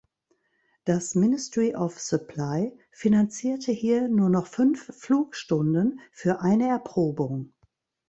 Das Ministry of Supply finanzierte hier nur noch fünf Flugstunden für eine Erprobung.